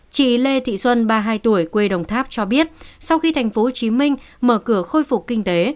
chị lê thị xuân ba mươi hai tuổi quê đồng tháp cho biết sau khi tp hcm mở cửa khôi phục kinh tế